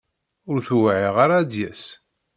Ur t-wεiɣ ara ad d-yas.